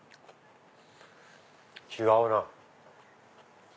違うな。